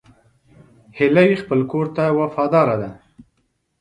هیلۍ خپل کور ته وفاداره ده